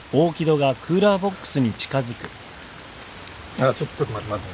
あっちょっちょっと待って待って。